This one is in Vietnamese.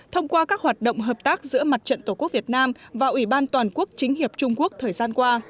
thông qua các hoạt động hợp tác giữa mặt trận tổ quốc việt nam và ủy ban toàn quốc chính hiệp trung quốc thời gian qua